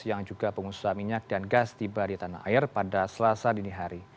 yang juga pengusaha minyak dan gas tiba di tanah air pada selasa dini hari